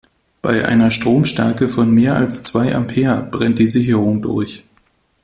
Bei einer Stromstärke von mehr als zwei Ampere brennt die Sicherung durch.